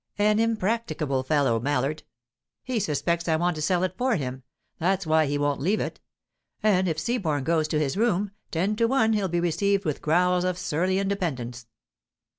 An impracticable fellow, Mallard. He suspects I want to sell it for him; that's why he won't leave it. And if Seaborne goes to his room, ten to one he'll be received with growls of surly independence."